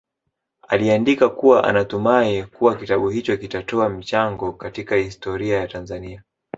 Aliandika kuwa anatumai kuwa kitabu hicho kitatoa mchango katika historia ya Tanzania